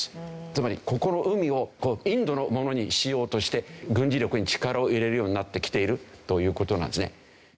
つまりここの海をインドのものにしようとして軍事力に力を入れるようになってきているという事なんですね。